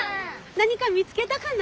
何か見つけたかな？